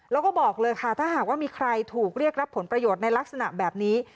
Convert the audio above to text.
แล้วก็บอกเลยค่ะถ้าหากว่ามีใครถูกเรียกรับผลประโยชน์ในลักษณะแบบนี้